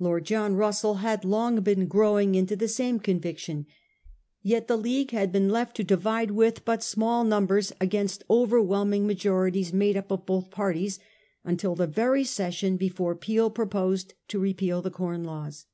Lord John Russell had long been growing into the same conviction. Yet the League had been left to divide with but small numbers against overwhelming majorities made up of both parties, until the very session before Peel proposed to repeal the Corn Laws.